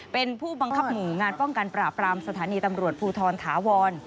เป็นผู้บังคับหมู่งานป้องกันปราบรามสถานีตำรวจภูทรถาวร